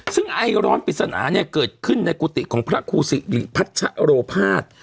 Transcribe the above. ซึ่งไอร้อนปริศนาเนี่ยเกิดขึ้นในกุฏิของพระครูสิริพัชโรภาส